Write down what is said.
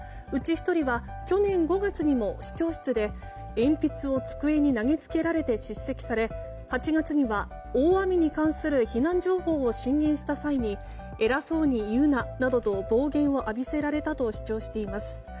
うち１人は去年５月にも市長室で鉛筆を机に投げつけられて叱責され８月には大雨に関する避難情報を進言した際に偉そうに言うななどと暴言を浴びせられたと主張しています。